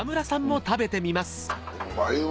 うまいわ。